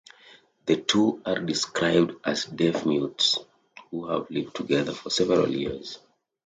The two are described as deaf-mutes who have lived together for several years.